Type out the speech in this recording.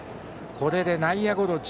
これで内野ゴロ